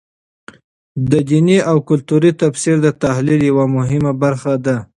د دیني او کلتور تفسیر د تحلیل یوه مهمه برخه ده.